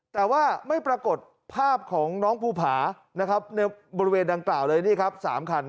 แต่ว่าไม่ปรากฏภาพของน้องภูผานะครับในบริเวณดังกล่าวเลยนี่ครับ๓คัน